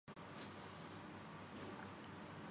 ایک بہادر جرنیل دوسرے کی قدر جانتا ہے